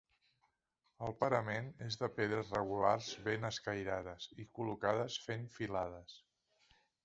El parament és de pedres regulars ben escairades i col·locades fent filades.